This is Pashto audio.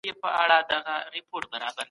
هغه په غونډي کي خاموش پاته سو.